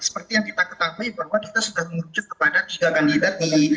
seperti yang kita ketahui bahwa kita sudah merujuk kepada tiga kandidat di